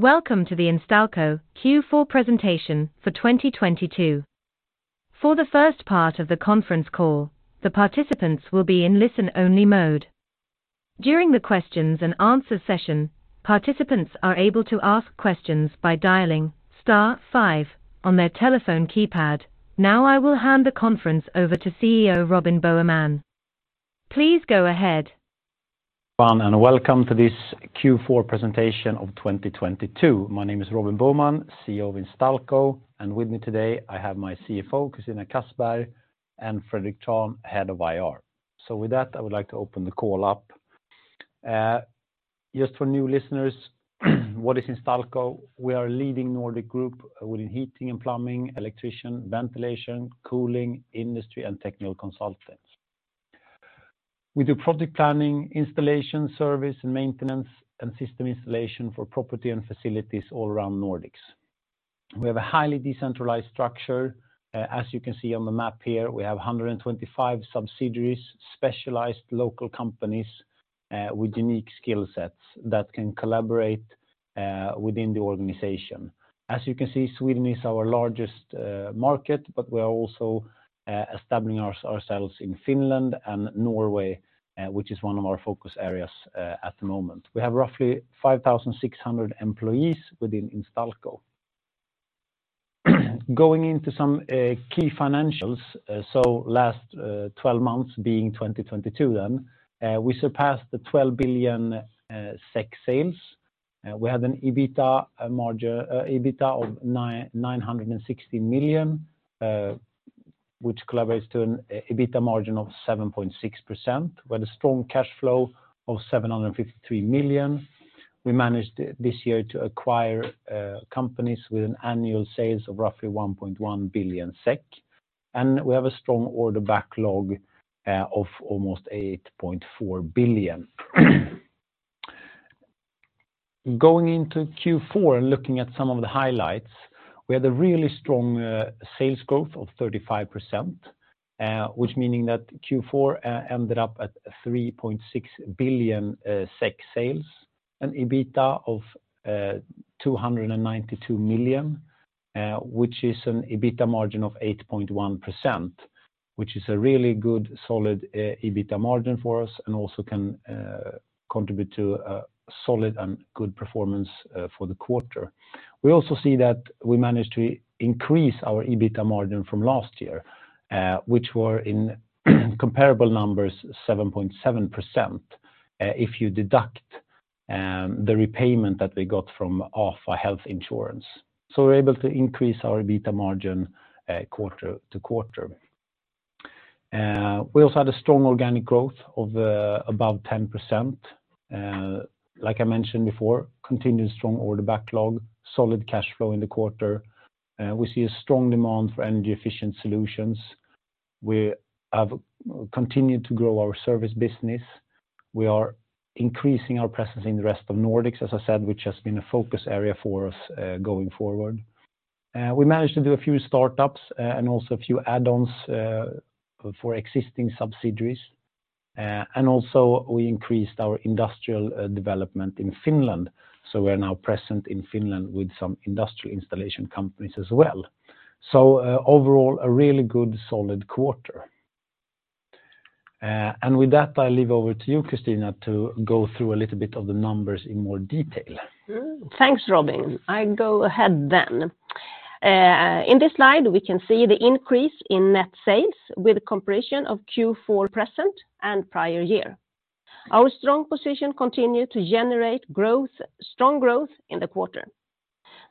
Welcome to the Instalco Q4 presentation for 2022. For the first part of the conference call, the participants will be in listen-only mode. During the questions and answer session, participants are able to ask questions by dialing star five on their telephone keypad. Now, I will hand the conference over to CEO Robin Boheman. Please go ahead. Welcome to this Q4 presentation of 2022. My name is Robin Boheman, CEO of Instalco. With me today I have my CFO, Christina Kassberg, and Fredrik Trahn, Head of IR. With that, I would like to open the call up. Just for new listeners, what is Instalco? We are a leading Nordic group within heating and plumbing, electrician, ventilation, cooling, industry, and technical consultants. We do project planning, installation, service, and maintenance, and system installation for property and facilities all around Nordics. We have a highly decentralized structure, as you can see on the map here, we have 125 subsidiaries, specialized local companies, with unique skill sets that can collaborate within the organization. As you can see, Sweden is our largest market, but we are also establishing ourselves in Finland and Norway, which is one of our focus areas at the moment. We have roughly 5,600 employees within Instalco. Going into some key financials, last 12 months being 2022, we surpassed the 12 billion SEK sales. We had an EBITA of 960 million, which collaborates to an EBITA margin of 7.6%. We had a strong cash flow of 753 million. We managed, this year, to acquire companies with an annual sales of roughly 1.1 billion SEK, and we have a strong order backlog of almost 8.4 billion. Going into Q4 and looking at some of the highlights, we had a really strong sales growth of 35%, which meaning that Q4 ended up at 3.6 billion SEK sales and EBITA of 292 million, which is an EBITA margin of 8.1%, which is a really good, solid EBITA margin for us and also can contribute to a solid and good performance for the quarter. We also see that we managed to increase our EBITA margin from last year, which were in comparable numbers, 7.7%, if you deduct the repayment that we got from AFA Health Insurance. We're able to increase our EBITA margin quarter to quarter. We also had a strong organic growth of above 10%. Like I mentioned before, continued strong order backlog, solid cash flow in the quarter. We see a strong demand for energy-efficient solutions. We have continued to grow our service business. We are increasing our presence in the rest of Nordics, as I said, which has been a focus area for us going forward. We managed to do a few startups, and also a few add-ons for existing subsidiaries. And also we increased our industrial development in Finland. We're now present in Finland with some industrial installation companies as well. Overall, a really good, solid quarter. And with that, I leave over to you, Christina, to go through a little bit of the numbers in more detail. Thanks, Robin. I go ahead then. In this slide, we can see the increase in net sales with a comparison of Q4 present and prior year. Our strong position continued to generate growth, strong growth in the quarter.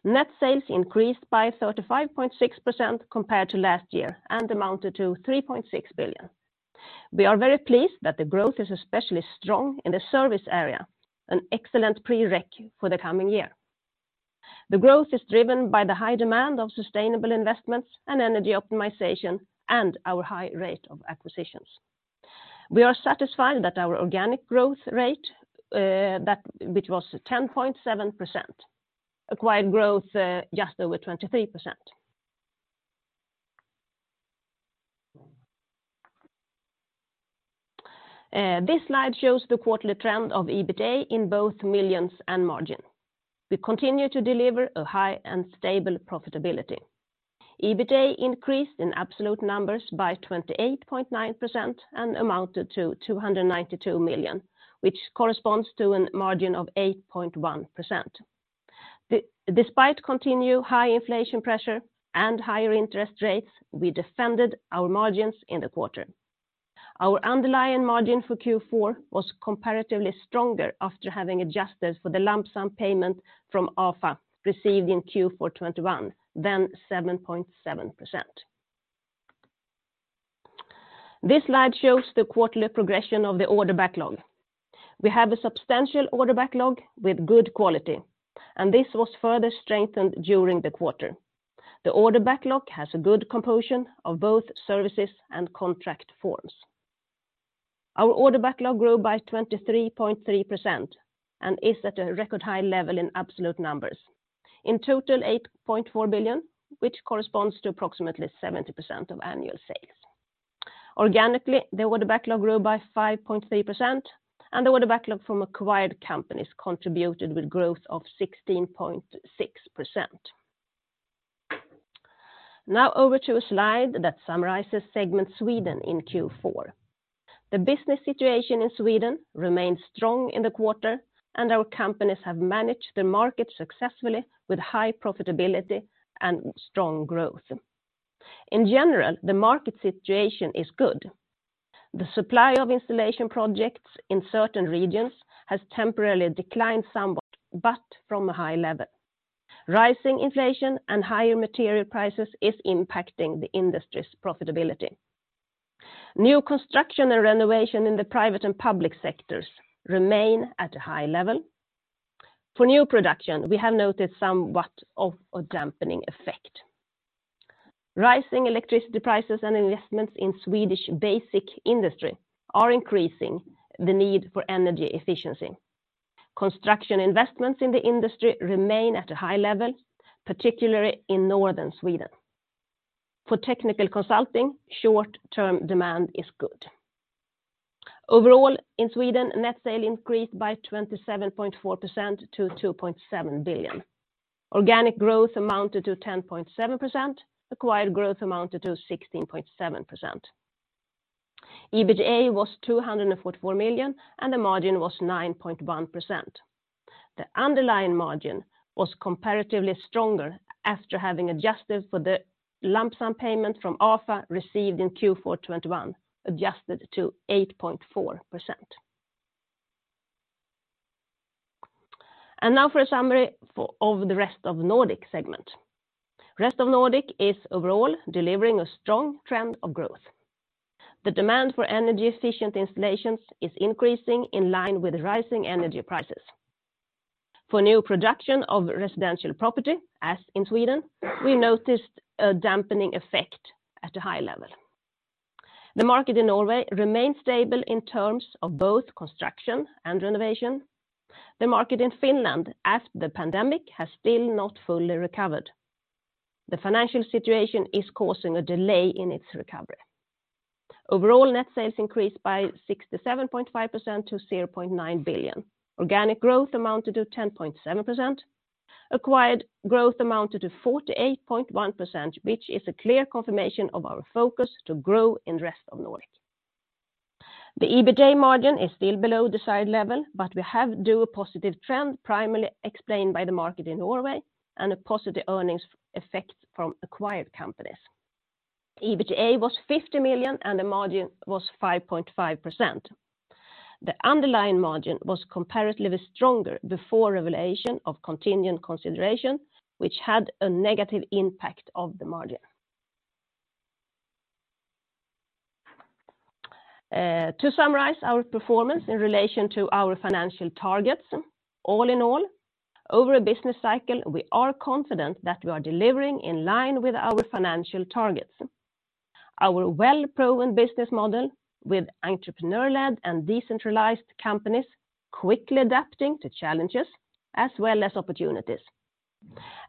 Net sales increased by 35.6% compared to last year and amounted to 3.6 billion. We are very pleased that the growth is especially strong in the service area, an excellent prereq for the coming year. The growth is driven by the high demand of sustainable investments and energy optimization and our high rate of acquisitions. We are satisfied that our organic growth rate, which was 10.7%. Acquired growth, just over 23%. This slide shows the quarterly trend of EBITA in both millions and margin. We continue to deliver a high and stable profitability. EBITA increased in absolute numbers by 28.9% and amounted to 292 million, which corresponds to a margin of 8.1%. Despite continued high inflation pressure and higher interest rates, we defended our margins in the quarter. Our underlying margin for Q4 was comparatively stronger after having adjusted for the lump sum payment from AFA, received in Q4 2021, then 7.7%. This slide shows the quarterly progression of the order backlog. We have a substantial order backlog with good quality, and this was further strengthened during the quarter. The order backlog has a good composition of both services and contract forms. Our order backlog grew by 23.3% and is at a record high level in absolute numbers. In total, 8.4 billion, which corresponds to approximately 70% of annual sales. Organically, the order backlog grew by 5.3%, and the order backlog from acquired companies contributed with growth of 16.6%. Over to a slide that summarizes segment Sweden in Q4. The business situation in Sweden remained strong in the quarter, and our companies have managed the market successfully with high profitability and strong growth. In general, the market situation is good. The supply of installation projects in certain regions has temporarily declined somewhat, but from a high level. Rising inflation and higher material prices is impacting the industry's profitability. New construction and renovation in the private and public sectors remain at a high level. For new production, we have noted somewhat of a dampening effect. Rising electricity prices and investments in Swedish basic industry are increasing the need for energy efficiency. Construction investments in the industry remain at a high level, particularly in northern Sweden. For technical consulting, short term demand is good. Overall, in Sweden, net sale increased by 27.4% to 2.7 billion. Organic growth amounted to 10.7%, acquired growth amounted to 16.7%. EBITDA was 244 million and the margin was 9.1%. The underlying margin was comparatively stronger after having adjusted for the lump sum payment from AFA received in Q4 2021, adjusted to 8.4%. Now for a summary of the rest of Nordic segment. Rest of Nordic is overall delivering a strong trend of growth. The demand for energy efficient installations is increasing in line with rising energy prices. For new production of residential property, as in Sweden, we noticed a dampening effect at a high level. The market in Norway remains stable in terms of both construction and renovation. The market in Finland after the pandemic has still not fully recovered. The financial situation is causing a delay in its recovery. Overall, net sales increased by 67.5% to 0.9 billion. Organic growth amounted to 10.7%. Acquired growth amounted to 48.1%, which is a clear confirmation of our focus to grow in rest of Nordic. The EBITDA margin is still below desired level, but we have due a positive trend primarily explained by the market in Norway and a positive earnings effect from acquired companies. EBITDA was 50 million and the margin was 5.5%. The underlying margin was comparatively stronger before revelation of contingent consideration, which had a negative impact of the margin. To summarize our performance in relation to our financial targets, all in all, over a business cycle, we are confident that we are delivering in line with our financial targets. Our well-proven business model with entrepreneur-led and decentralized companies quickly adapting to challenges as well as opportunities,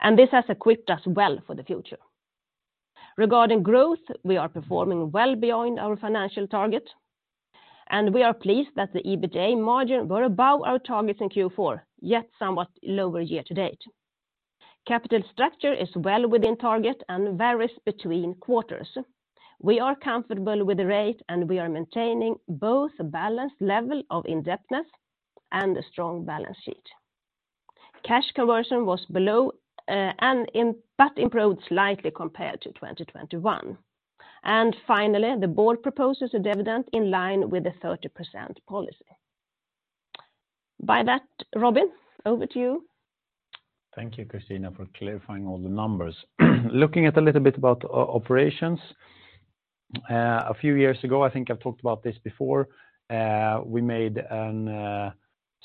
and this has equipped us well for the future. Regarding growth, we are performing well beyond our financial target, and we are pleased that the EBITDA margin were above our targets in Q4, yet somewhat lower year to date. Capital structure is well within target and varies between quarters. We are comfortable with the rate, and we are maintaining both a balanced level of indebtedness and a strong balance sheet. Cash conversion was below, but improved slightly compared to 2021. Finally, the board proposes a dividend in line with the 30% policy. By that, Robin Boheman, over to you. Thank you, Christina Kassberg, for clarifying all the numbers. Looking at a little bit about operations, a few years ago, I think I've talked about this before, we made an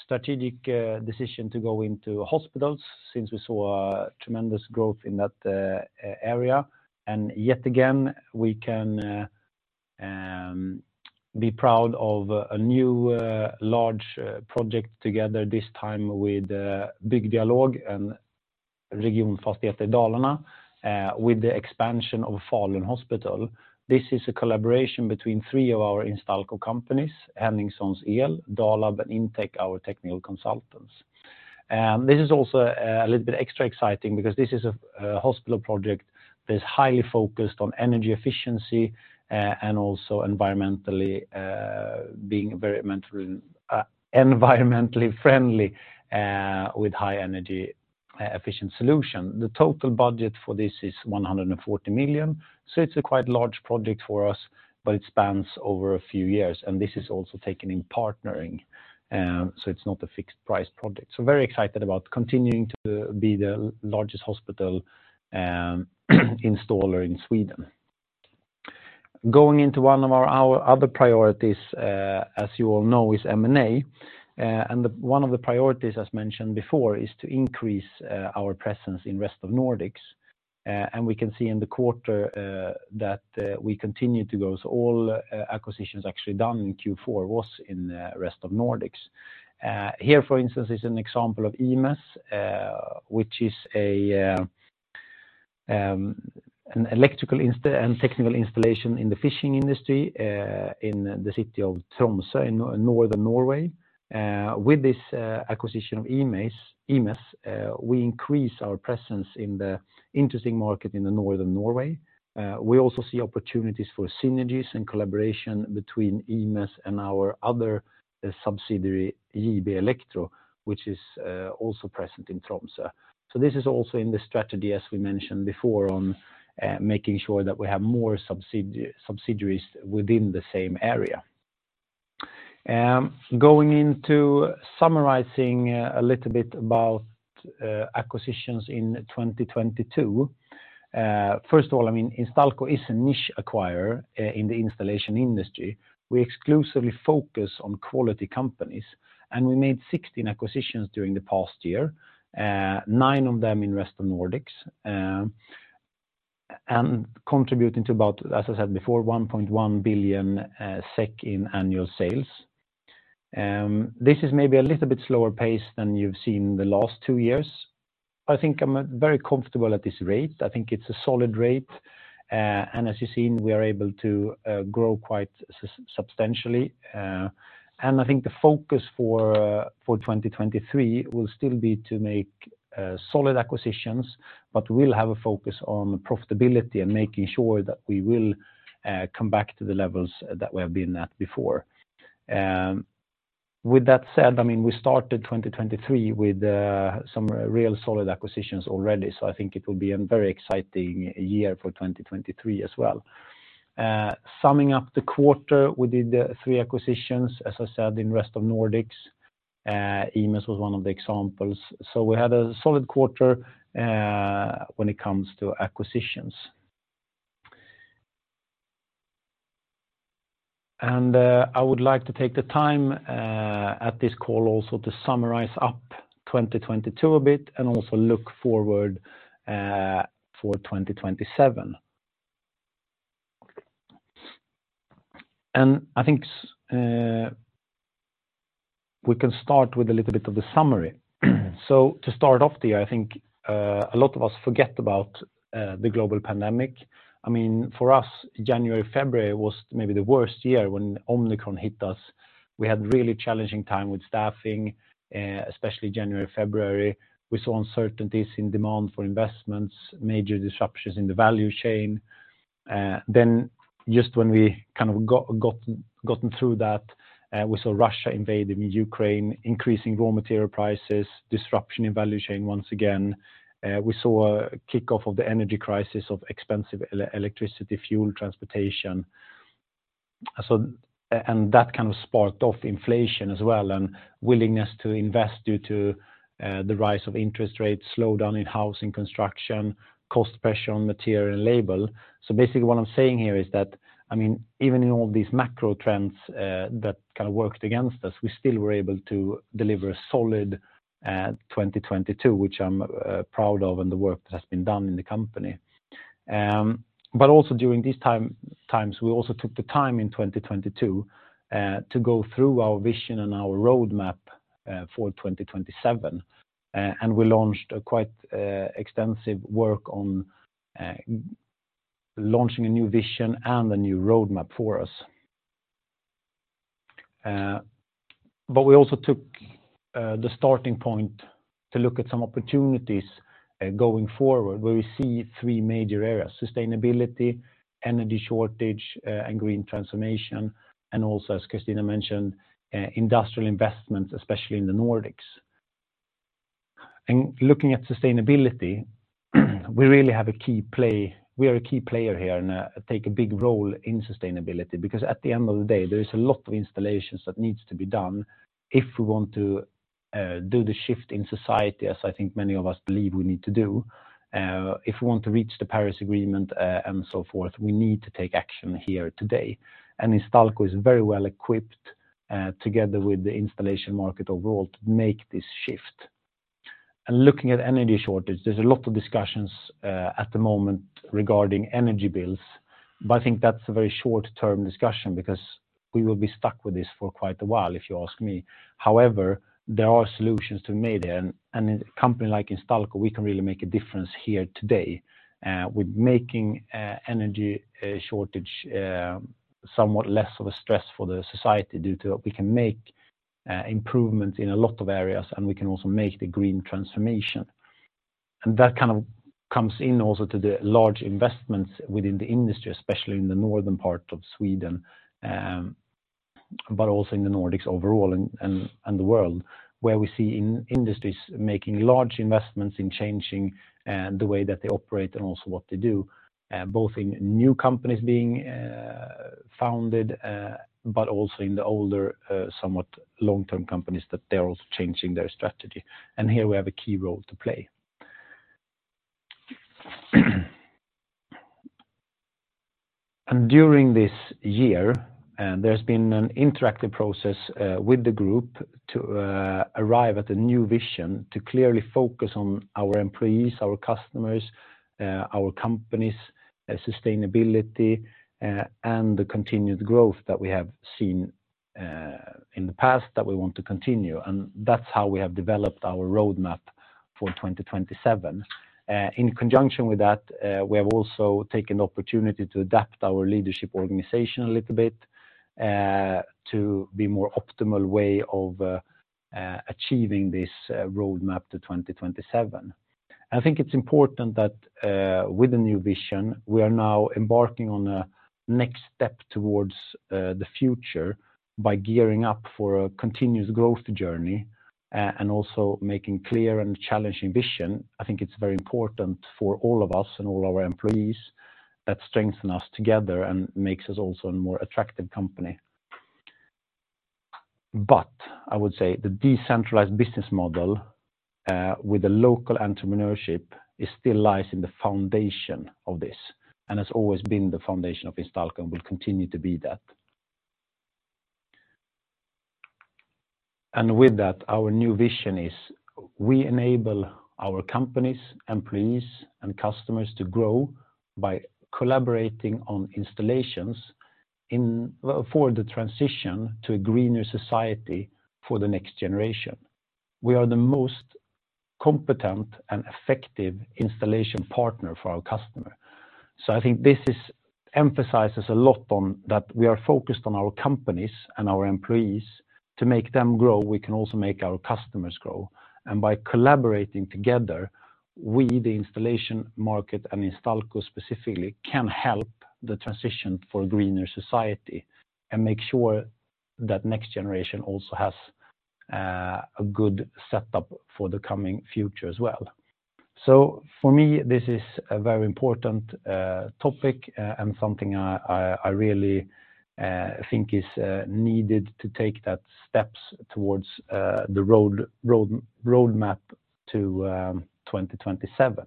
strategic decision to go into hospitals since we saw a tremendous growth in that area. Yet again, we can be proud of a new, large project together this time with Byggdialog and Regionfastigheter Dalarna, with the expansion of Falun Hospital. This is a collaboration between three of our Instalco companies, Henningsons El, Dalab, and Intec, our technical consultants. This is also a little bit extra exciting because this is a hospital project that is highly focused on energy efficiency, and also environmentally friendly, with high energy efficient solution. The total budget for this is 140 million, so it's a quite large project for us, but it spans over a few years, and this is also taken in partnering, so it's not a fixed price project. Very excited about continuing to be the largest hospital installer in Sweden. Going into one of our other priorities, as you all know, is M&A. The one of the priorities, as mentioned before, is to increase our presence in rest of Nordics. We can see in the quarter that we continue to go, so all acquisitions actually done in Q4 was in rest of Nordics. Here, for instance, is an example of EMES, which is an electrical and technical installation in the fishing industry, in the city of Tromsø in Northern Norway. With this acquisition of EMES, we increase our presence in the interesting market in Northern Norway. We also see opportunities for synergies and collaboration between EMES and our other subsidiary, JB Elektro, which is also present in Tromsø. This is also in the strategy, as we mentioned before, on making sure that we have more subsidiaries within the same area. Going into summarizing a little bit about acquisitions in 2022. First of all, I mean, Instalco is a niche acquirer in the installation industry. We exclusively focus on quality companies. We made 16 acquisitions during the past year, nine of them in rest of Nordics, contributing to about, as I said before, 1.1 billion SEK in annual sales. This is maybe a little bit slower pace than you've seen the last two years. I think I'm very comfortable at this rate. I think it's a solid rate. As you've seen, we are able to grow quite substantially. I think the focus for 2023 will still be to make solid acquisitions, but we'll have a focus on profitability and making sure that we will come back to the levels that we have been at before. With that said, I mean, we started 2023 with some real solid acquisitions already. I think it will be a very exciting year for 2023 as well. Summing up the quarter, we did three acquisitions, as I said, in rest of Nordics. EMES was one of the examples. We had a solid quarter when it comes to acquisitions. I would like to take the time at this call also to summarize up 2022 a bit and also look forward for 2027. I think we can start with a little bit of the summary. To start off there, I think a lot of us forget about the global pandemic. I mean, for us, January, February was maybe the worst year when Omicron hit us. We had really challenging time with staffing, especially January, February. We saw uncertainties in demand for investments, major disruptions in the value chain. Just when we kind of gotten through that, we saw Russia invading Ukraine, increasing raw material prices, disruption in value chain once again. We saw a kickoff of the energy crisis of expensive electricity, fuel, transportation. And that kind of sparked off inflation as well and willingness to invest due to the rise of interest rates, slowdown in housing construction, cost pressure on material and labor. Basically what I'm saying here is that, I mean, even in all these macro trends that kind of worked against us, we still were able to deliver a solid 2022, which I'm proud of and the work that has been done in the company. Also during these times, we also took the time in 2022, to go through our vision and our roadmap, for 2027. We launched a quite extensive work on launching a new vision and a new roadmap for us. We also took the starting point to look at some opportunities, going forward, where we see three major areas: sustainability, energy shortage, and green transformation, and also, as Christina mentioned, industrial investments, especially in the Nordics. Looking at sustainability, we really have a key play. We are a key player here and take a big role in sustainability because at the end of the day, there is a lot of installations that needs to be done if we want to do the shift in society, as I think many of us believe we need to do. If we want to reach the Paris Agreement, and so forth, we need to take action here today. Instalco is very well equipped, together with the installation market overall to make this shift. Looking at energy shortage, there's a lot of discussions, at the moment regarding energy bills, but I think that's a very short-term discussion because we will be stuck with this for quite a while, if you ask me. However, there are solutions to be made, and a company like Instalco, we can really make a difference here today, with making e-energy shortage somewhat less of a stress for the society due to we can make improvements in a lot of areas, and we can also make the green transformation. That kind of comes in also to the large investments within the industry, especially in the northern part of Sweden, but also in the Nordics overall and the world, where we see industries making large investments in changing the way that they operate and also what they do, both in new companies being founded, but also in the older, somewhat long-term companies that they're also changing their strategy. Here we have a key role to play. During this year, there's been an interactive process with the group to arrive at a new vision to clearly focus on our employees, our customers, our companies, sustainability, and the continued growth that we have seen in the past that we want to continue, and that's how we have developed our roadmap for 2027. In conjunction with that, we have also taken the opportunity to adapt our leadership organization a little bit to be more optimal way of achieving this roadmap to 2027. I think it's important that, with the new vision, we are now embarking on a next step towards the future by gearing up for a continuous growth journey, and also making clear and challenging vision. I think it's very important for all of us and all our employees that strengthen us together and makes us also a more attractive company. I would say the decentralized business model, with the local entrepreneurship is still lies in the foundation of this, and has always been the foundation of Instalco, and will continue to be that. With that, our new vision is we enable our companies, employees, and customers to grow by collaborating on installations for the transition to a greener society for the next generation. We are the most competent and effective installation partner for our customer. I think this emphasizes a lot on that we are focused on our companies and our employees. To make them grow, we can also make our customers grow. By collaborating together, we, the installation market and Instalco specifically, can help the transition for a greener society and make sure that next generation also has a good setup for the coming future as well. For me, this is a very important topic and something I really think is needed to take that steps towards the roadmap to 2027.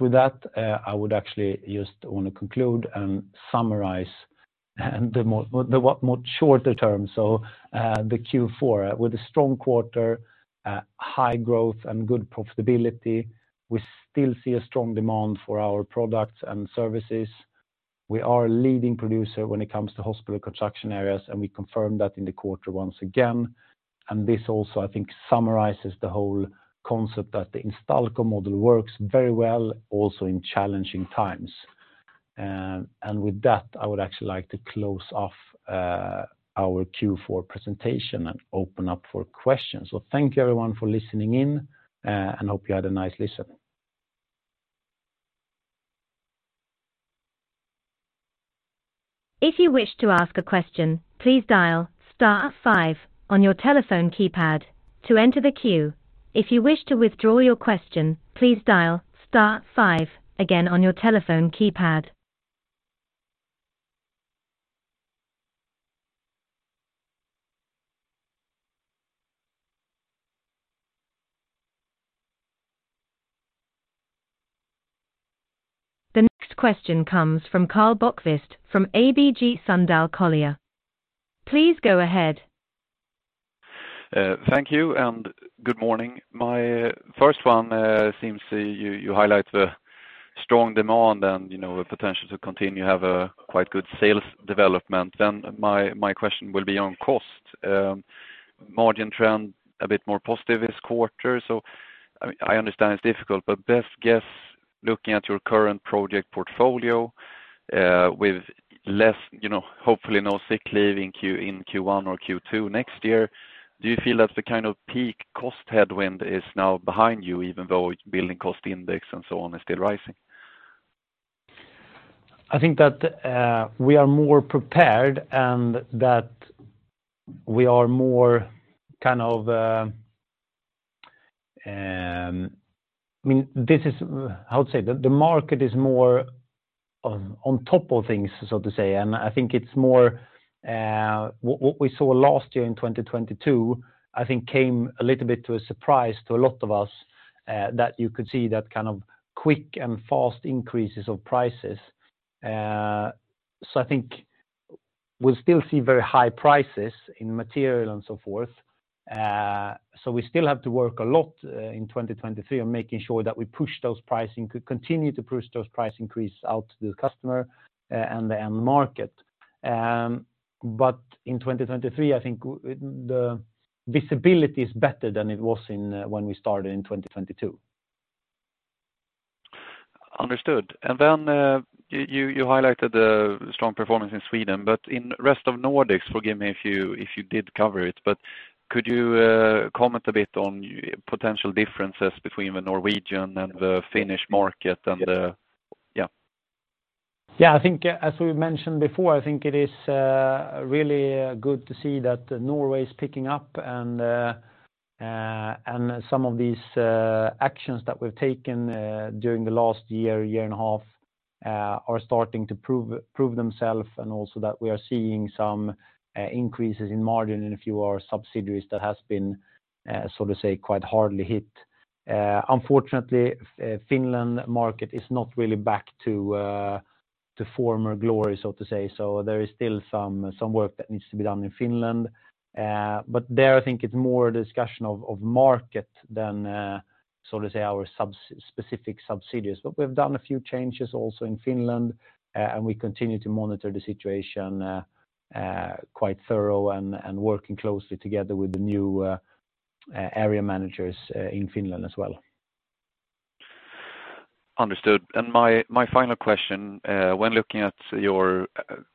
With that, I would actually just wanna conclude and summarize and the more shorter term. The Q4. With a strong quarter, high growth, and good profitability, we still see a strong demand for our products and services. We are a leading producer when it comes to hospital construction areas, and we confirm that in the quarter once again. This also, I think, summarizes the whole concept that the Instalco model works very well also in challenging times. With that, I would actually like to close off our Q4 presentation and open up for questions. Thank you, everyone, for listening in, and hope you had a nice listen. If you wish to ask a question, please dial star five on your telephone keypad to enter the queue. If you wish to withdraw your question, please dial star five again on your telephone keypad. The next question comes from Karl Bokvist from ABG Sundal Collier, please go ahead. Thank you and good morning. My first one, seems you highlight the strong demand and, you know, the potential to continue have a quite good sales development. My question will be on cost. Margin trend a bit more positive this quarter. I understand it's difficult, but best guess, looking at your current project portfolio, with less, you know, hopefully no sick leave in Q1 or Q2 next year, do you feel that the kind of peak cost headwind is now behind you, even though building cost index and so on is still rising? I think that we are more prepared and that we are more kind of, I mean, this is, how to say? The market is more on top of things, so to say. I think it's more, what we saw last year in 2022, I think came a little bit to a surprise to a lot of us, that you could see that kind of quick and fast increases of prices. I think we'll still see very high prices in material and so forth. We still have to work a lot, in 2023 on making sure that we push those pricing, continue to push those price increase out to the customer, and the end market. In 2023, I think the visibility is better than it was in when we started in 2022. Understood. You highlighted the strong performance in Sweden, but in rest of Nordics, forgive me if you did cover it, but could you comment a bit on potential differences between the Norwegian and the Finnish market? Yeah, I think, as we've mentioned before, I think it is really good to see that Norway is picking up. Some of these actions that we've taken during the last year and a half are starting to prove themselves, and also that we are seeing some increases in margin in a few of our subsidiaries that has been, so to say, quite hardly hit. Unfortunately, Finland market is not really back to former glory, so to say. There is still some work that needs to be done in Finland. There, I think it's more a discussion of market than, so to say, our sub-specific subsidiaries. We've done a few changes also in Finland, and we continue to monitor the situation quite thorough and working closely together with the new area managers in Finland as well. Understood. My, my final question, when looking at your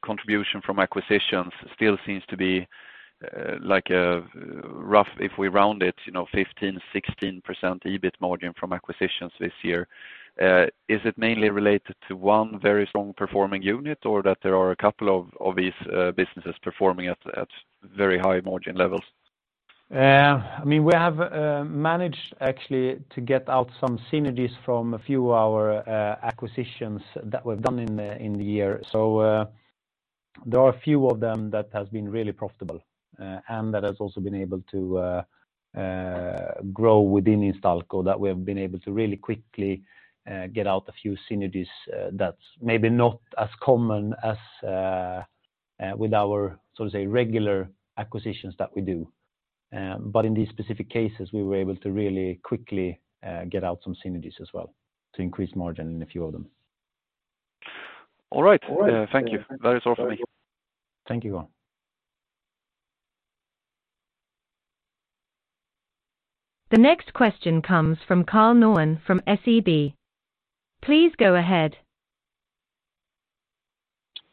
contribution from acquisitions, still seems to be like a rough, if we round it, you know, 15%-16% EBIT margin from acquisitions this year. Is it mainly related to one very strong performing unit, or that there are a couple of these businesses performing at very high margin levels? I mean, we have managed actually to get out some synergies from a few of our acquisitions that we've done in the year. There are a few of them that has been really profitable, and that has also been able to grow within Instalco, that we have been able to really quickly get out a few synergies that's maybe not as common as with our, so to say, regular acquisitions that we do. But in these specific cases, we were able to really quickly get out some synergies as well to increase margin in a few of them. All right. All right. Thank you. That is all for me. Thank you. The next question comes from Oscar Rönnkvist from SEB, please go ahead.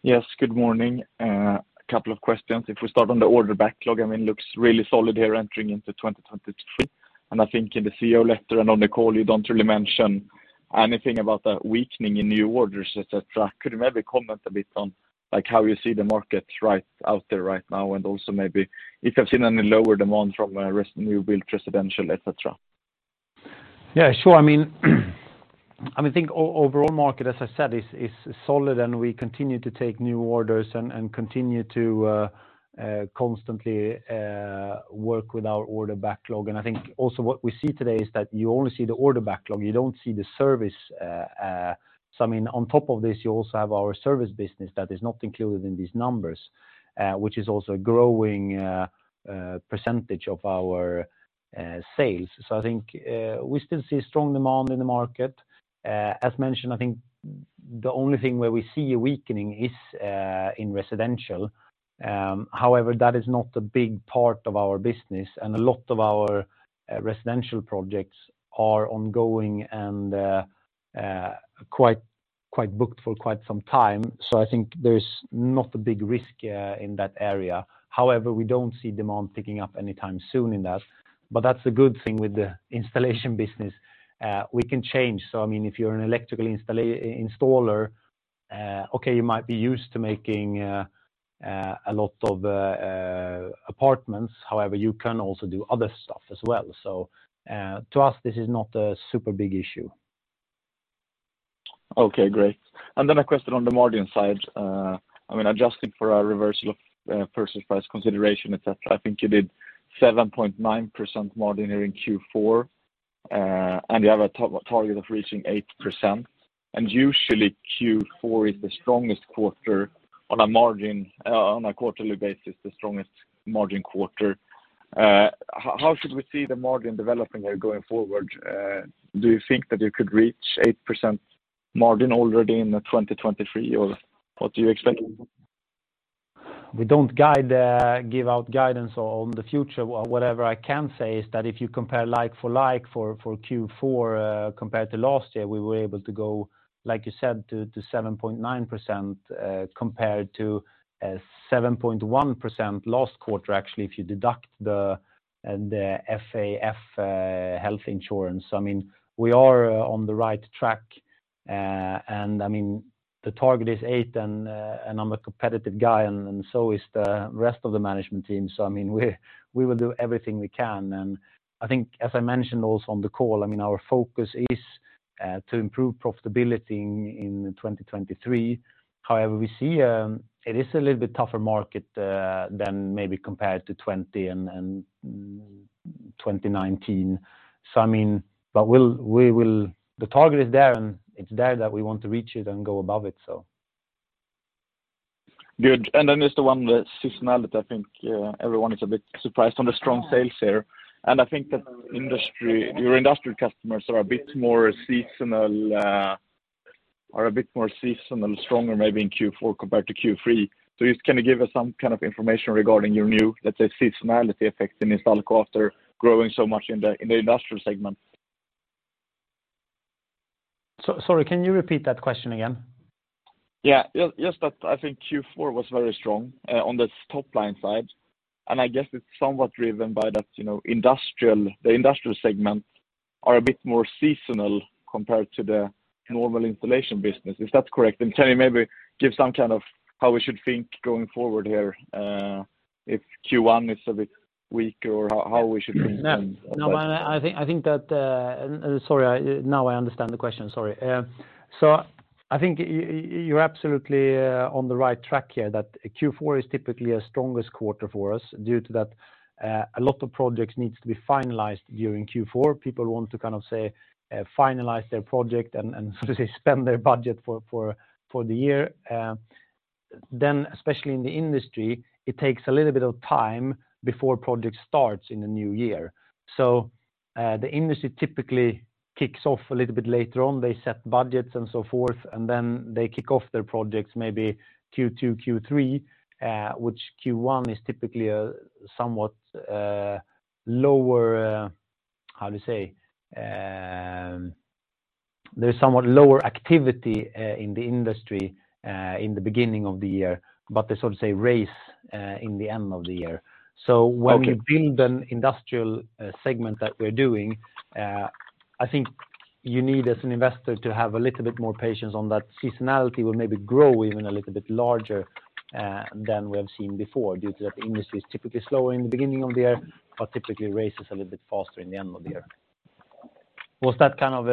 Yes. Good morning. A couple of questions. If we start on the order backlog, I mean, it looks really solid here entering into 2023. I think in the CEO letter and on the call, you don't really mention anything about the weakening in new orders, et cetera. Could you maybe comment a bit on, like, how you see the market right out there right now, and also maybe if you've seen any lower demand from new build residential, et cetera? Yeah, sure. I mean, I think overall market, as I said, is solid, and we continue to take new orders and continue to constantly work with our order backlog. I think also what we see today is that you only see the order backlog, you don't see the service. I mean, on top of this, you also have our service business that is not included in these numbers, which is also a growing percentage of our sales. I think, we still see strong demand in the market. As mentioned, I think the only thing where we see a weakening is in residential. However, that is not a big part of our business, and a lot of our residential projects are ongoing and quite booked for quite some time. I think there's not a big risk in that area. However, we don't see demand picking up anytime soon in that. That's a good thing with the installation business. We can change. I mean, if you're an electrical installer, okay, you might be used to making a lot of apartments. However, you can also do other stuff as well. To us, this is not a super big issue. Okay, great. A question on the margin side. I mean, adjusting for a reversal of purchase price consideration, et cetera, I think you did 7.9% margin here in Q4, and you have a target of reaching 8%. Usually Q4 is the strongest quarter on a margin, on a quarterly basis, the strongest margin quarter. How should we see the margin developing here going forward? Do you think that you could reach 8% margin already in 2023, or what do you expect? We don't guide, give out guidance on the future. Whatever I can say is that if you compare like-for-like for Q4, compared to last year, we were able to go, like you said, to 7.9%, compared to 7.1% last quarter, actually, if you deduct the AFA health insurance. I mean, we are on the right track. I mean, the target is eight, and I'm a competitive guy, and so is the rest of the management team. I mean, we will do everything we can. I think, as I mentioned also on the call, I mean, our focus is to improve profitability in 2023. However, we see, it is a little bit tougher market than maybe compared to 2020 and 2019. I mean, we will The target is there, and it's there that we want to reach it and go above it, so. Good. Then there's the one with seasonality. I think everyone is a bit surprised on the strong sales here. I think that industry, your industrial customers are a bit more seasonal, stronger maybe in Q4 compared to Q3. Can you give us some kind of information regarding your new, let's say, seasonality effects in Instalco after growing so much in the, in the industrial segment? Sorry, can you repeat that question again? Yeah. Just that I think Q4 was very strong on the top line side. I guess it's somewhat driven by that, you know, industrial, the industrial segments are a bit more seasonal compared to the normal installation business. If that's correct, then can you maybe give some kind of how we should think going forward here, if Q1 is a bit weak or how we should think then about that? No, I think that, sorry, now I understand the question. I think you're absolutely on the right track here, that Q4 is typically a strongest quarter for us due to that a lot of projects needs to be finalized during Q4. People want to kind of, say, finalize their project and so to say, spend their budget for the year. Especially in the industry, it takes a little bit of time before project starts in the new year. The industry typically kicks off a little bit later on. They set budgets and so forth, they kick off their projects, maybe Q2, Q3, which Q1 is typically a somewhat lower how to say? There's somewhat lower activity in the industry in the beginning of the year, but they sort of say race in the end of the year. Okay. We build an industrial segment that we're doing, I think you need, as an investor, to have a little bit more patience on that. Seasonality will maybe grow even a little bit larger than we have seen before due to that industry is typically slower in the beginning of the year, but typically races a little bit faster in the end of the year. Was that kind of.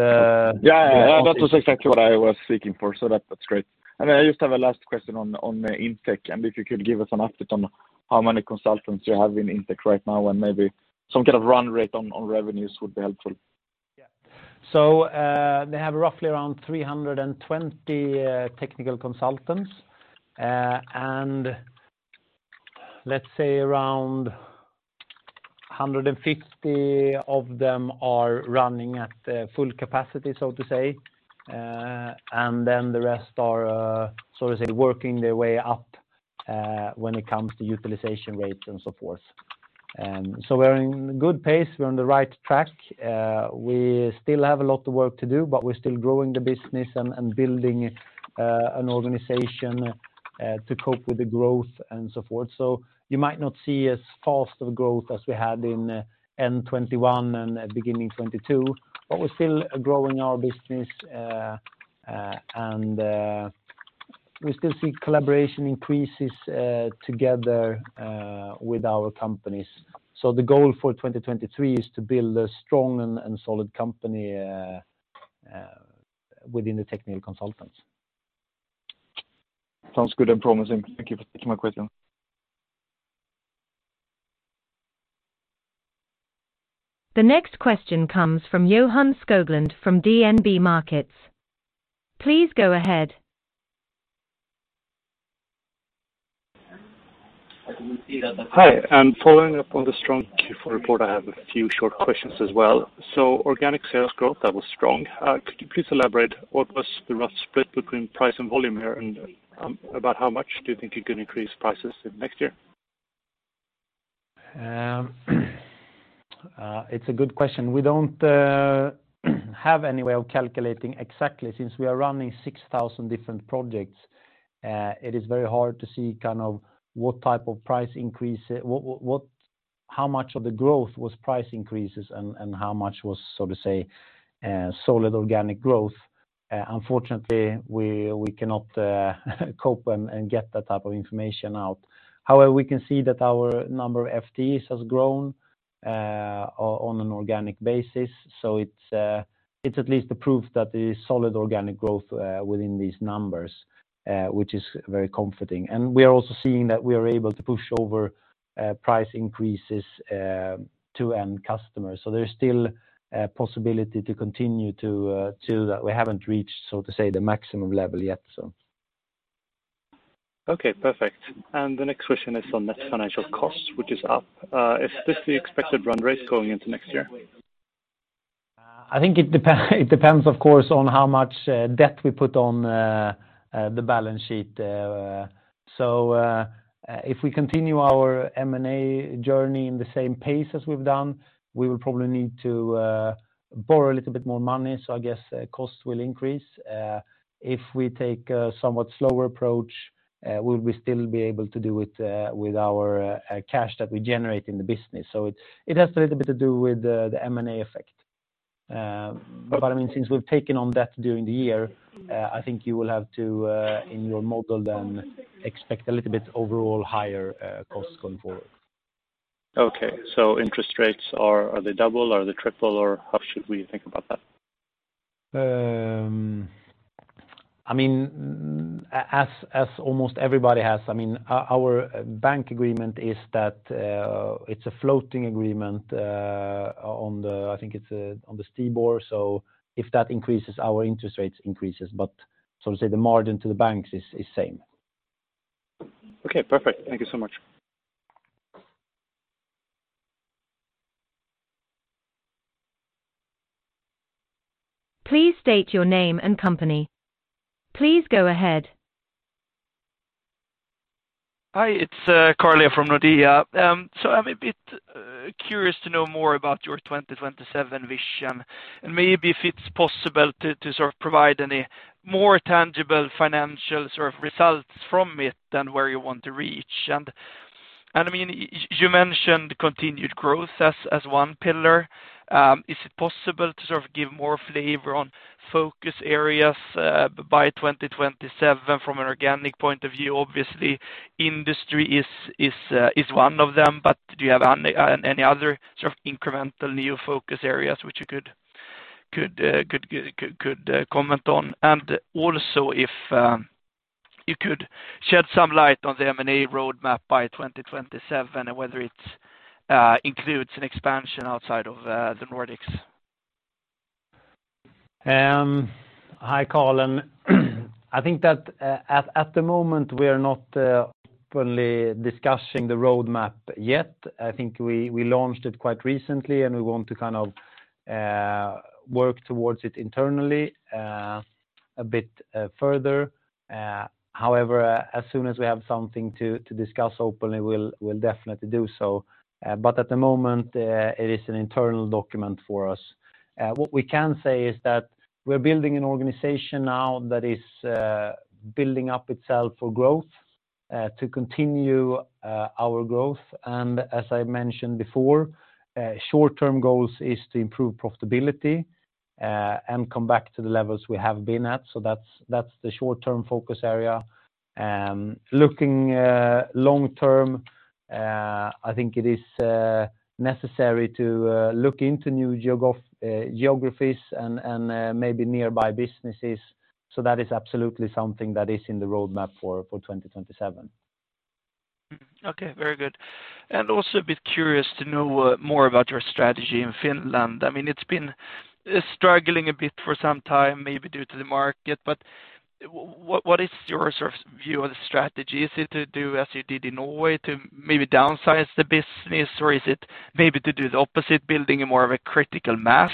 Yeah. That was exactly what I was seeking for, so that's great. I just have a last question on Intec, and if you could give us an update on how many consultants you have in Intec right now, and maybe some kind of run rate on revenues would be helpful. Yeah. They have roughly around 320 technical consultants. And let's say around 150 of them are running at full capacity, so to say. And then the rest are, so to say, working their way up when it comes to utilization rates and so forth. We're in good pace, we're on the right track. We still have a lot of work to do, we're still growing the business and building an organization to cope with the growth and so forth. You might not see as fast of a growth as we had in end 2021 and beginning 2022. We're still growing our business, and we still see collaboration increases together with our companies. The goal for 2023 is to build a strong and solid company, within the technical consultants. Sounds good and promising. Thank you for taking my question. The next question comes from Johan Skoglund from DNB Markets. Please go ahead. Hi, I'm following up on the strong Q4 report. I have a few short questions as well. Organic sales growth, that was strong. Could you please elaborate what was the rough split between price and volume here, and about how much do you think you can increase prices in next year? It's a good question. We don't have any way of calculating exactly. Since we are running 6,000 different projects, it is very hard to see kind of what type of price increase. How much of the growth was price increases and how much was, so to say, solid organic growth. Unfortunately, we cannot cope and get that type of information out. However, we can see that our number of FTEs has grown on an organic basis, so it's at least the proof that there is solid organic growth within these numbers, which is very comforting. We are also seeing that we are able to push over price increases to end customers. There's still a possibility to continue to That we haven't reached, so to say, the maximum level yet, so. Okay, perfect. The next question is on net financial costs, which is up. Is this the expected run rate going into next year? I think it depends, of course, on how much debt we put on the balance sheet. If we continue our M&A journey in the same pace as we've done, we will probably need to borrow a little bit more money, so I guess cost will increase. If we take a somewhat slower approach, we will still be able to do it with our cash that we generate in the business. It has a little bit to do with the M&A effect. I mean, since we've taken on debt during the year, I think you will have to in your model then expect a little bit overall higher costs going forward. Okay. interest rates, are they double, are they triple, or how should we think about that? I mean, as almost everybody has, I mean, our bank agreement is that, it's a floating agreement, I think it's, on the STIBOR. If that increases, our interest rates increases. Say the margin to the banks is same. Okay, perfect. Thank you so much. Please state your name and company. Please go ahead. Hi, it's Carly from Nordea. I'm a bit curious to know more about your 2027 vision, and maybe if it's possible to sort of provide any more tangible financial sort of results from it than where you want to reach. I mean, you mentioned continued growth as one pillar. Is it possible to sort of give more flavor on focus areas by 2027 from an organic point of view? Obviously, industry is one of them. Do you have any other sort of incremental new focus areas which you could comment on? Also if you could shed some light on the M&A roadmap by 2027 and whether it includes an expansion outside of the Nordics. Hi, Carl. I think that, at the moment we are not openly discussing the roadmap yet. I think we launched it quite recently, and we want to kind of work towards it internally a bit further. However, as soon as we have something to discuss openly, we'll definitely do so. At the moment, it is an internal document for us. What we can say is that we're building an organization now that is building up itself for growth to continue our growth. As I mentioned before, short-term goals is to improve profitability and come back to the levels we have been at. That's the short-term focus area. Looking long term, I think it is necessary to look into new geographies and maybe nearby businesses. That is absolutely something that is in the roadmap for 2027. Okay. Very good. Also a bit curious to know more about your strategy in Finland. I mean, it's been struggling a bit for some time, maybe due to the market. What is your sort of view of the strategy? Is it to do as you did in Norway to maybe downsize the business, or is it maybe to do the opposite, building a more of a critical mass,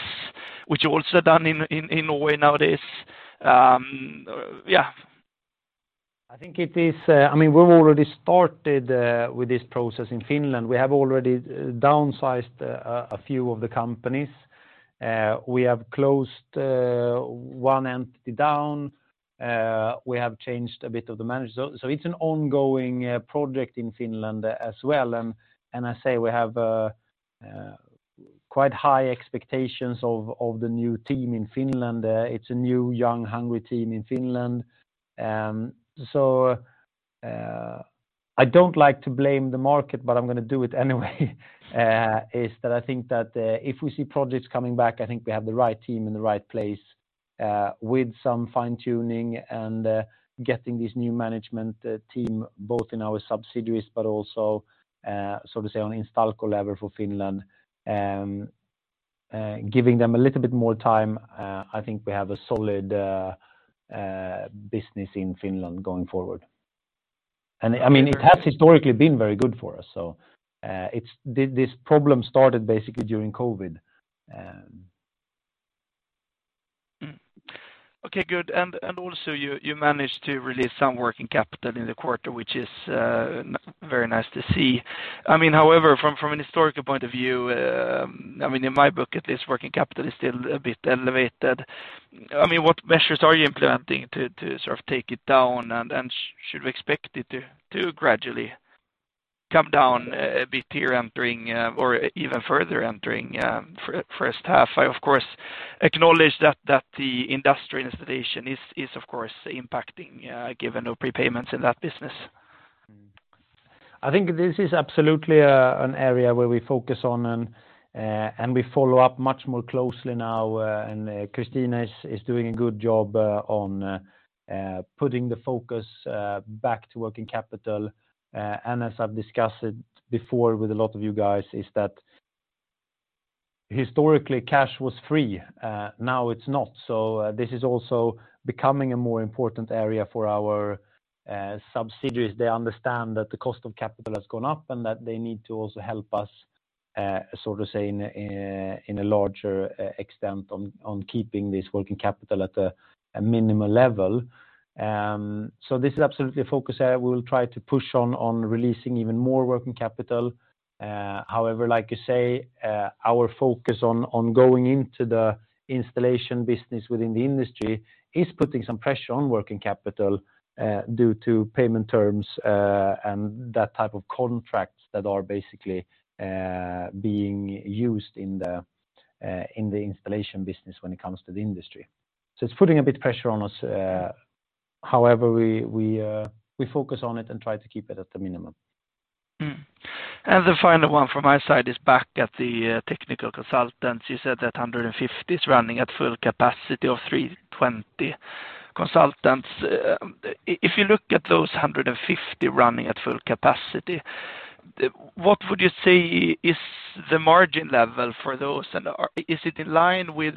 which you also done in Norway nowadays? Yeah. I think it is, I mean, we've already started with this process in Finland. We have already downsized a few of the companies. We have closed one entity down. We have changed a bit of the managers. It's an ongoing project in Finland as well. I say we have quite high expectations of the new team in Finland. It's a new young, hungry team in Finland. I don't like to blame the market, but I'm gonna do it anyway. Is that I think that if we see projects coming back, I think we have the right team in the right place with some fine-tuning and getting this new management team both in our subsidiaries but also so to say on Instalco level for Finland. Giving them a little bit more time, I think we have a solid business in Finland going forward. I mean, it has historically been very good for us. This problem started basically during COVID. Okay, good. Also you managed to release some working capital in the quarter, which is very nice to see. I mean, however, from an historical point of view, I mean, in my book at least, working capital is still a bit elevated. I mean, what measures are you implementing to sort of take it down? Should we expect it to gradually come down a bit here entering, or even further entering, first half? I, of course, acknowledge that the industrial installation is of course impacting, given no prepayments in that business. I think this is absolutely an area where we focus on and we follow up much more closely now. Christina is doing a good job on putting the focus back to working capital. As I've discussed it before with a lot of you guys, is that historically cash was free, now it's not. This is also becoming a more important area for our subsidiaries. They understand that the cost of capital has gone up, and that they need to also help us so to say in a larger extent on keeping this working capital at a minimal level. This is absolutely a focus area we will try to push on releasing even more working capital. However, like you say, our focus on going into the installation business within the industry is putting some pressure on working capital due to payment terms and that type of contracts that are basically being used in the installation business when it comes to the industry. It's putting a bit pressure on us. However, we focus on it and try to keep it at the minimum. The final one from my side is back at the technical consultants. You said that 150 is running at full capacity of 320 consultants. If you look at those 150 running at full capacity, what would you say is the margin level for those? Is it in line with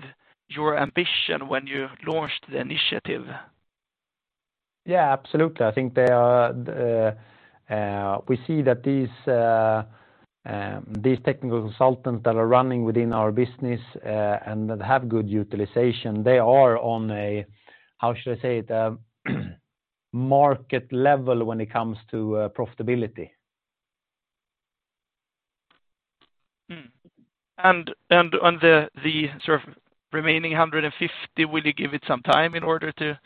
your ambition when you launched the initiative? Yeah, absolutely. I think they are, we see that these technical consultants that are running within our business, and that have good utilization, they are on a, how should I say it, market level when it comes to profitability. On the sort of remaining 150, will you give it some time in order to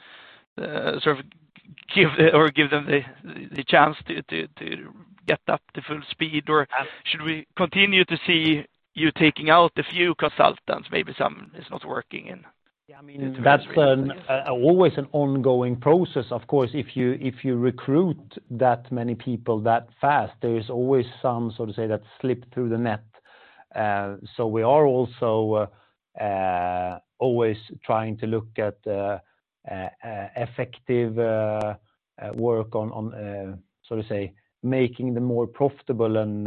sort of give them the chance to get up to full speed? Or should we continue to see you taking out a few consultants, maybe some is not working and? Yeah, I mean, that's. ...in terms of release. ...always an ongoing process. Of course, if you, if you recruit that many people that fast, there is always some that slip through the net. We are also always trying to look at effective work on making them more profitable.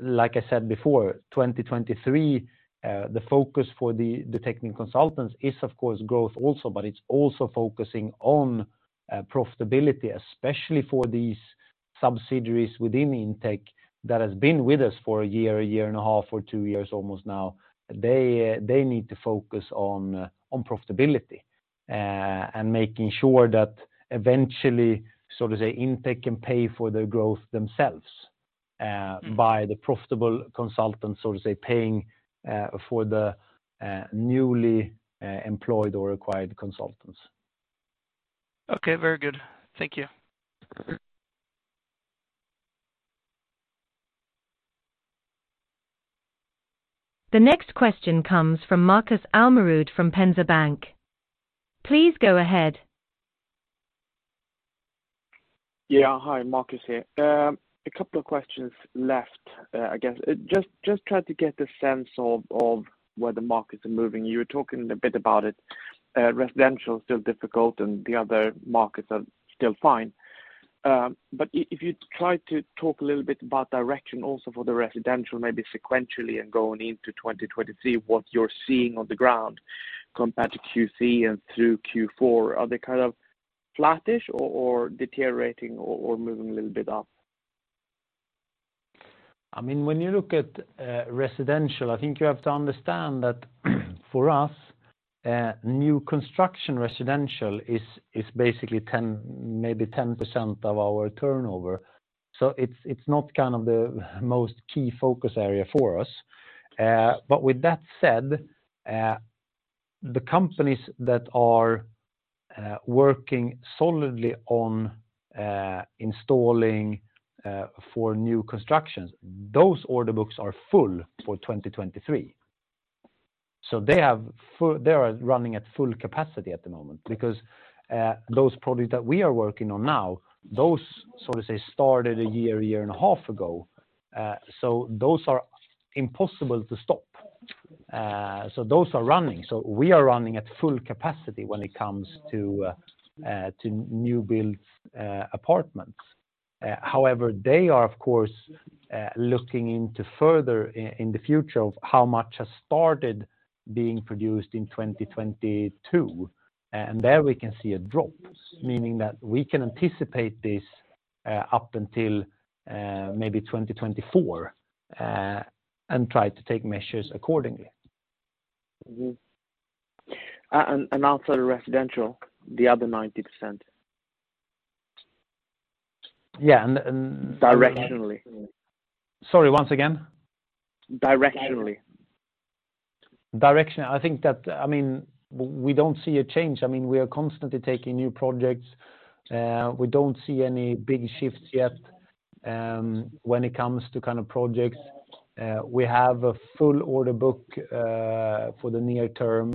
Like I said before, 2023, the focus for the technical consultants is of course growth also, but it's also focusing on profitability, especially for these subsidiaries within Intec that has been with us for one year, one and a half or two years almost now. They need to focus on profitability, and making sure that eventually, so to say, Intec can pay for their growth themselves, by the profitable consultants, so to say, paying for the newly employed or acquired consultants. Okay. Very good. Thank you. The next question comes from Marcus Almerud from Penser Bank. Please go ahead. Yeah. Hi. Marcus here. A couple of questions left, I guess. Just try to get a sense of where the markets are moving. You were talking a bit about it. Residential is still difficult, and the other markets are still fine. But if you try to talk a little bit about direction also for the residential, maybe sequentially and going into 2023, what you're seeing on the ground compared to Q3 and through Q4. Are they kind of flattish or deteriorating or moving a little bit up? I mean, when you look at residential, I think you have to understand that for us, new construction residential is basically 10, maybe 10% of our turnover. It's not kind of the most key focus area for us. With that said, the companies that are working solidly on installing for new constructions, those order books are full for 2023. They are running at full capacity at the moment because those projects that we are working on now, those, so to say, started a year, a year and a half ago. Those are impossible to stop. Those are running. We are running at full capacity when it comes to new build apartments. However, they are, of course, looking into further in the future of how much has started being produced in 2022, and there we can see a drop. We can anticipate this, up until, maybe 2024, and try to take measures accordingly. Mm-hmm. outside of residential, the other 90%. Yeah. Directionally. Sorry, once again. Directionally. Directionally. I think that, I mean, we don't see a change. I mean, we are constantly taking new projects. We don't see any big shifts yet when it comes to kind of projects. We have a full order book for the near term.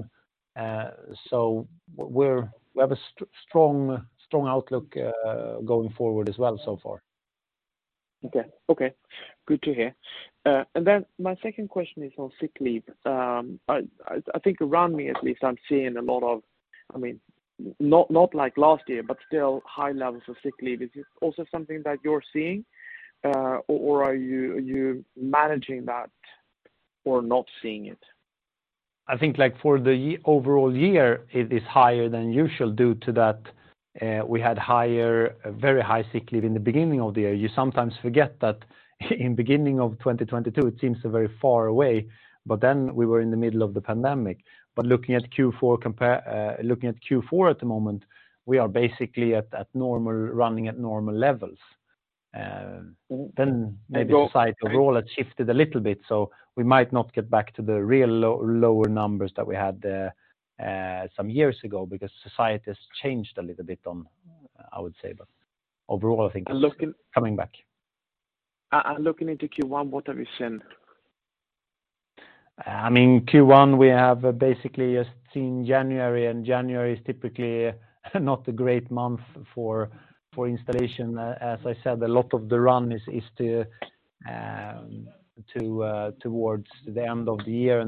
We have a strong outlook going forward as well so far. Okay. Okay. Good to hear. My second question is on sick leave. I think around me at least, I'm seeing a lot of, I mean, not like last year, but still high levels of sick leave. Is this also something that you're seeing, or are you managing that or not seeing it? I think like for the overall year, it is higher than usual due to that, we had higher, very high sick leave in the beginning of the year. You sometimes forget that in beginning of 2022, it seems very far away, we were in the middle of the pandemic. Looking at Q4 compare, looking at Q4 at the moment, we are basically at normal, running at normal levels. Maybe society overall has shifted a little bit, so we might not get back to the real low, lower numbers that we had some years ago because society has changed a little bit on, I would say. Overall, I think it's coming back. Looking into Q1, what have you seen? I mean, Q1, we have basically just seen January. January is typically not a great month for installation. As I said, a lot of the run is to towards the end of the year.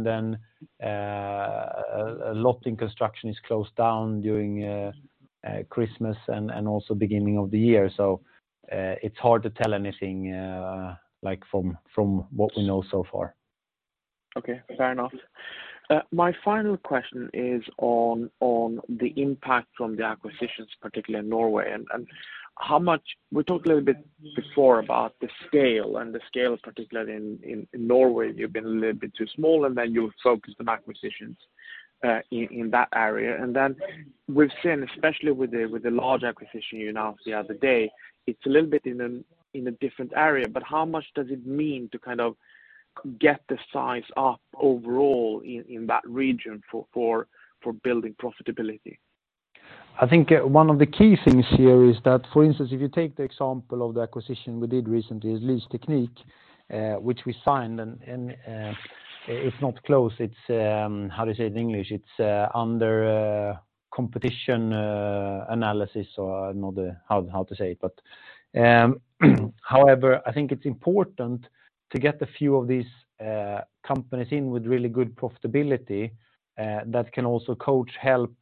A lot in construction is closed down during Christmas and also beginning of the year. It's hard to tell anything like from what we know so far. Okay. Fair enough. My final question is on the impact from the acquisitions, particularly in Norway. How much... We talked a little bit before about the scale and the scale, particularly in Norway, you've been a little bit too small, and then you focused on acquisitions in that area. Then we've seen, especially with the large acquisition you announced the other day, it's a little bit in a different area. How much does it mean to kind of get the size up overall in that region for building profitability? I think, one of the key things here is that, for instance, if you take the example of the acquisition we did recently, Lysteknikk, which we signed and, it's not closed, it's, how do you say it in English? It's, under, competition, analysis or not, how to say it, but. However, I think it's important to get a few of these companies in with really good profitability, that can also coach, help,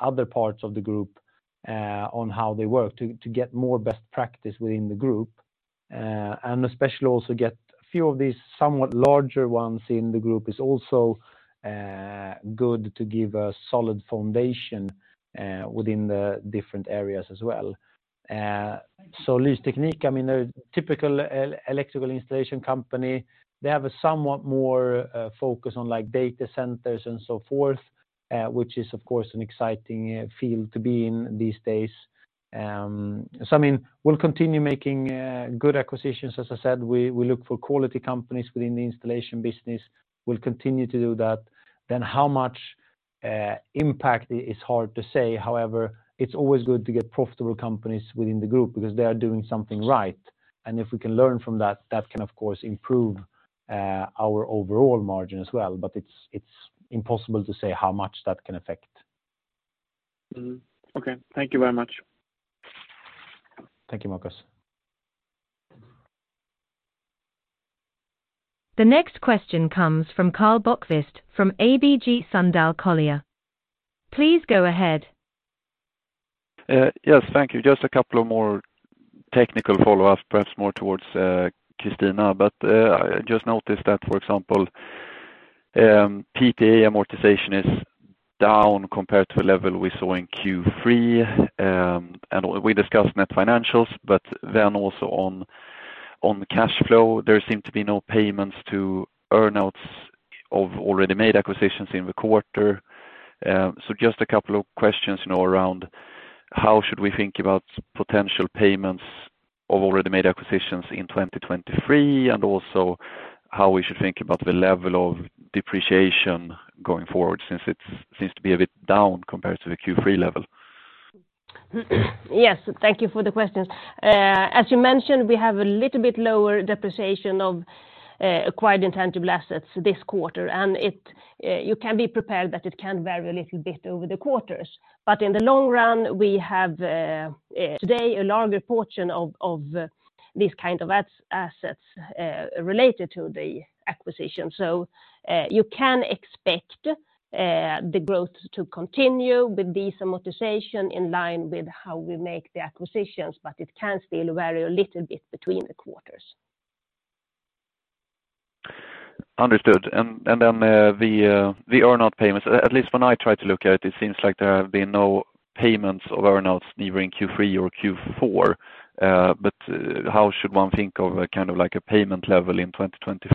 other parts of the group-On how they work to get more best practice within the group, and especially also get a few of these somewhat larger ones in the group is also good to give a solid foundation within the different areas as well. Lysteknikk, I mean, a typical el-electrical installation company, they have a somewhat more focus on like data centers and so forth, which is of course an exciting field to be in these days. I mean, we'll continue making good acquisitions. As I said, we look for quality companies within the installation business. We'll continue to do that. How much impact is hard to say. However, it's always good to get profitable companies within the group because they are doing something right. If we can learn from that can of course improve our overall margin as well. It's impossible to say how much that can affect. Mm-hmm. Okay. Thank you very much. Thank you, Marcus. The next question comes from Karl Bokvist from ABG Sundal Collier. Please go ahead. Yes, thank you. Just a couple of more technical follow-up, perhaps more towards Christina. I just noticed that, for example, PPA amortization is down compared to the level we saw in Q3. We discussed net financials, also on cash flow, there seemed to be no payments to earnouts of already made acquisitions in the quarter. Just a couple of questions, you know, around how should we think about potential payments of already made acquisitions in 2023, and also how we should think about the level of depreciation going forward since it seems to be a bit down compared to the Q3 level. Yes. Thank you for the questions. As you mentioned, we have a little bit lower depreciation of acquired intangible assets this quarter, and you can be prepared that it can vary a little bit over the quarters. In the long run, we have today a larger portion of these kind of assets related to the acquisition. You can expect the growth to continue with this amortization in line with how we make the acquisitions, but it can still vary a little bit between the quarters. Understood. Then, the earnout payments, at least when I try to look at it seems like there have been no payments of earnouts neither in Q3 or Q4. How should one think of a kind of like a payment level in 2023?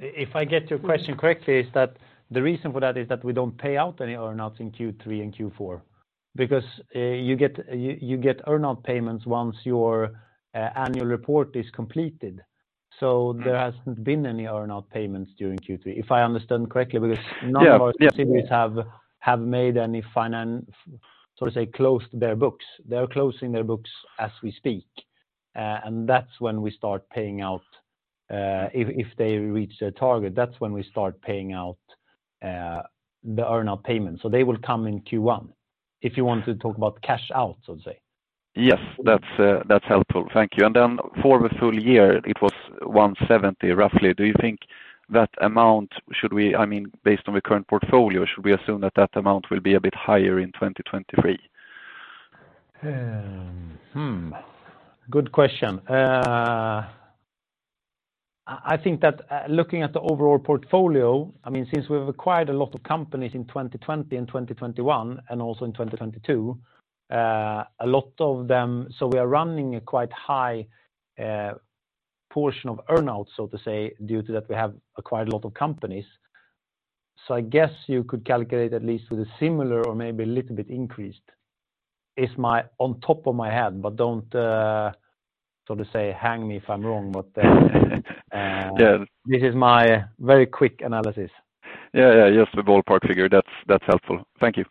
If I get your question correctly, is that the reason for that is that we don't pay out any earnouts in Q3 and Q4 because you get earnout payments once your annual report is completed. There hasn't been any earnout payments during Q3, if I understand correctly, because none of our subsidiaries have made any so to say, closed their books. They are closing their books as we speak. That's when we start paying out. If they reach their target, that's when we start paying out the earnout payment. They will come in Q1. If you want to talk about cash out, so to say. Yes. That's, that's helpful. Thank you. For the full year, it was 170, roughly. Do you think that amount I mean, based on the current portfolio, should we assume that that amount will be a bit higher in 2023? Good question. I think that, looking at the overall portfolio, I mean, since we've acquired a lot of companies in 2020 and 2021 and also in 2022, a lot of them. We are running a quite high portion of earnouts, so to say, due to that we have acquired a lot of companies. I guess you could calculate at least with a similar or maybe a little bit increased is my on top of my head, don't, so to say, hang me if I'm wrong. Yeah. This is my very quick analysis. Yeah, yeah. Just a ballpark figure. That's helpful. Thank you.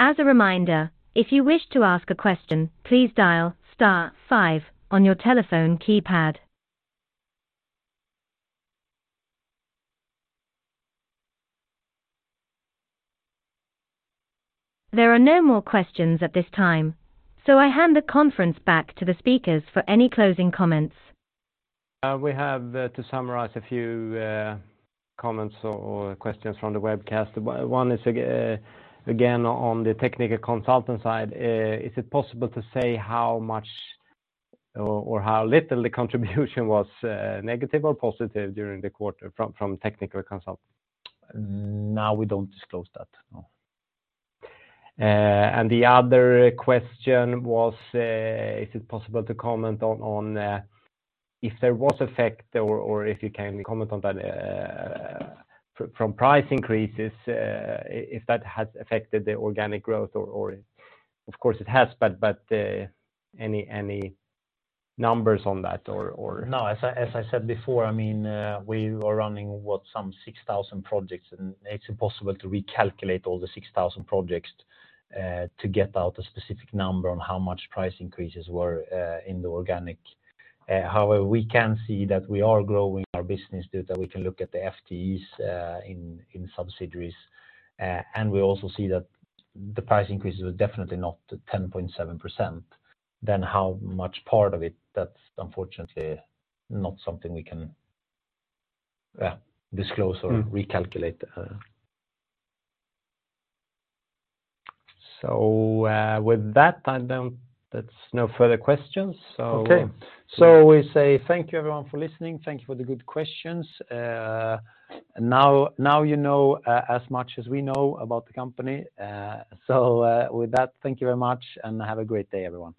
As a reminder, if you wish to ask a question, please dial star five on your telephone keypad. There are no more questions at this time. I hand the conference back to the speakers for any closing comments. We have to summarize a few comments or questions from the webcast. One is again, on the technical consultant side. Is it possible to say how much or how little the contribution was negative or positive during the quarter from technical consultant? No, we don't disclose that. No. The other question was, is it possible to comment on if there was effect or if you can comment on that, from price increases, if that has affected the organic growth or of course it has, but any numbers on that or? No, as I said before, I mean, we are running what some 6,000 projects. It's impossible to recalculate all the 6,000 projects to get out a specific number on how much price increases were in the organic. However, we can see that we are growing our business due to we can look at the FTEs in subsidiaries. We also see that the price increase is definitely not 10.7% than how much part of it. That's unfortunately not something we can disclose or recalculate. With that, That's no further questions. Okay. We say thank you everyone for listening. Thank you for the good questions. Now you know as much as we know about the company. With that, thank you very much and have a great day everyone.